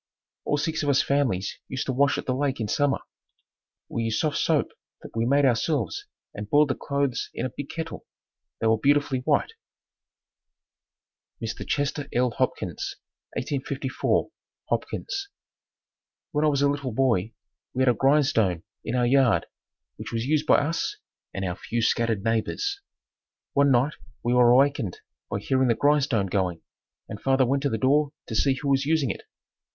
All six of us families used to wash at the lake in summer. We used soft soap that we made ourselves and boiled the clothes in a big kettle. They were beautifully white. Mr. Chester L. Hopkins 1854, Hopkins. When I was a little boy we had a grindstone in our yard which was used by us and our few scattered neighbors. One night we were awakened by hearing the grindstone going, and father went to the door to see who was using it.